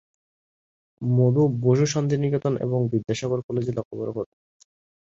মধু বসু শান্তিনিকেতন এবং বিদ্যাসাগর কলেজে পড়াশোনা করেন।